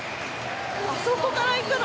あそこから行くの？